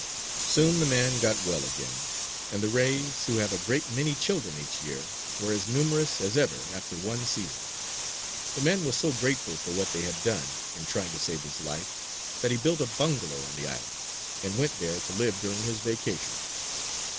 Soon the man got well again. And the rays, who have a great many children each year, were as numerous as ever after one season. The man was so grateful for what they had done in trying to save his life, that he built a bungalow on the island and went there to live during his vacations.